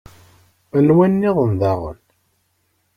Anwa nniḍen daɣen?